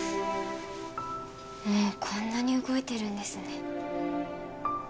もうこんなに動いてるんですね